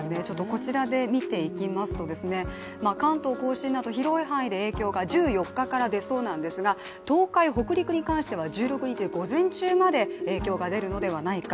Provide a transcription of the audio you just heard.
こちらで見ていきますと、関東甲信など広い範囲で影響が１４日から出そうなんですが東海、北陸に関しては１６日午前中まで影響が出るのではないか。